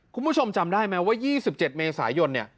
คุณผู้ชมจำได้ไหมว่า๒๗เมษายน